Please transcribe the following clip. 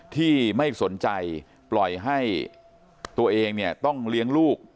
ที่ไม่สนใจปล่อยให้ตัวเองเนี่ยต้องเลี้ยงลูก